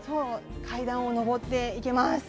階段を上って行けます。